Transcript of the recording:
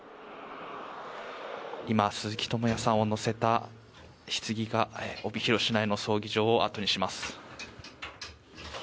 今、鈴木智也さんを乗せたひつぎが帯広市内の葬儀場を後にします。